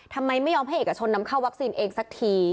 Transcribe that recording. ทำไมไม่ยอมให้เอกชนนำเข้าวัคซีนเองสักที